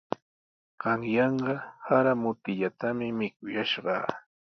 Qanyanqa sara mutillatami mikuyashqaa.